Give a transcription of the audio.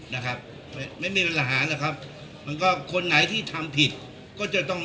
นะครับไม่มีประหารหรอกครับมันก็คนไหนที่ทำผิดก็จะต้อง